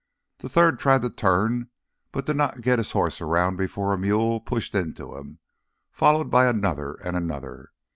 The third tried to turn but did not get his horse around before a mule pushed into him, followed by another and another.